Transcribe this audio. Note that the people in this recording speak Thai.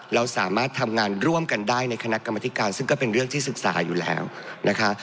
เราสามารถทำงานร่วมกันได้ในคณะกรรมธิการซึ่งก็เป็นเรื่องที่ศึกษาอยู่แล้วนะคะ